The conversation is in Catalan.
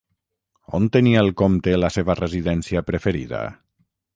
On tenia el comte la seva residència preferida?